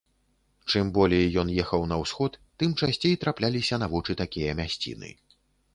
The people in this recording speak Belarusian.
Чым болей ён ехаў на ўсход, тым часцей трапляліся на вочы такія мясціны.